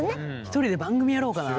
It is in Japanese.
１人で番組やろうかな。